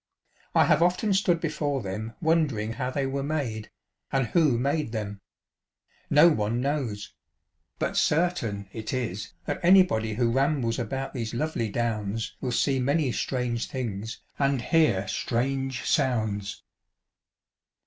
I have often stood before them wondering how they were made, and who made them : no one knows ; but certain it is, that an} body who rambles about these lovely Downs will see many strange things and hear strange sounds.